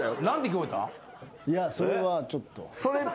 いやそれはちょっと。